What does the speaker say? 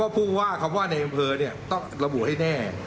พูดว่าในบำเผอต้องระบุให้แน่